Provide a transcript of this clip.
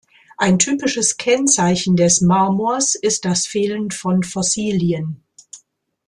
Ein typisches Kennzeichen des Marmors ist das Fehlen von Fossilien.